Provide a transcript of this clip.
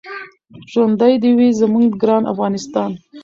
ژوندی دې وي زموږ ګران افغانستان.